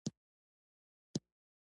وګوره که چېرته دې کوم ښه سپی پیدا کړ.